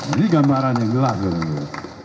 ini gambaran yang jelas